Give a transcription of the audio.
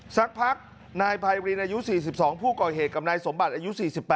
สักพักนายไพรินอายุ๔๒ผู้ก่อเหตุกับนายสมบัติอายุ๔๘